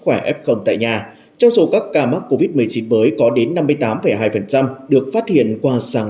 khỏe f tại nhà trong số các ca mắc covid một mươi chín mới có đến năm mươi tám hai được phát hiện qua sàng